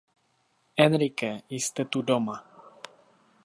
Enrique, jste tu doma!